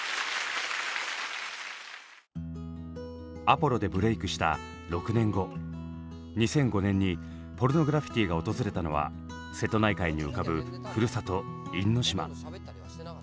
「アポロ」でブレークした６年後２００５年にポルノグラフィティが訪れたのは瀬戸内海に浮かぶふるさと因島。